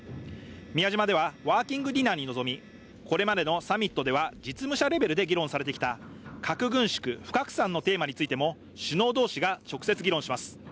宮島では、ワーキングディナーに臨み、これまでのサミットでは、実務者レベルで議論されてきた核軍縮・不拡散のテーマについても、首脳同士が直接議論します。